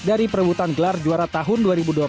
dari perebutan gelar juara tahun dua ribu dua puluh